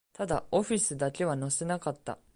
ただ、オフィスだけは乗せなかった